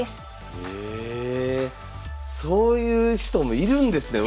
そういう人もいるんですね